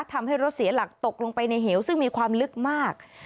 ทำให้รถเสียหลักตกลงไปในเหวซึ่งมีความลึกมาก